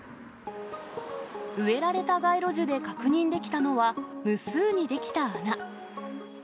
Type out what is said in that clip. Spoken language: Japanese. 植えられた街路樹で確認できたのは、無数に出来た穴。